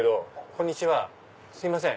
こんにちはすいません。